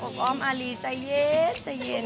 อ้อมอารีใจเย็นใจเย็น